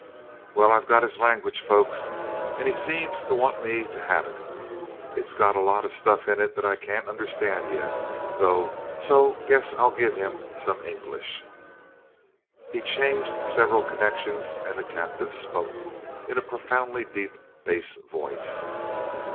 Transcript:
"Well, I've got his language, folks, he seemed to want me to have it. It's got a lot of stuff in it that I can't understand yet, though, so guess I'll give him some English." He changed several connections and the captive spoke, in a profoundly deep bass voice.